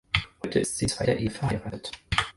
Heute ist sie in zweiter Ehe verheiratet.